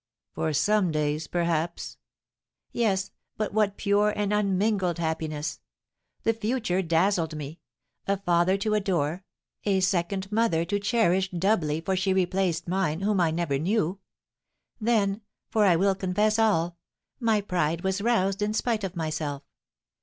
"For some days, perhaps." "Yes, but what pure and unmingled happiness! The future dazzled me, a father to adore, a second mother to cherish doubly, for she replaced mine, whom I never knew. Then for I will confess all my pride was roused in spite of myself.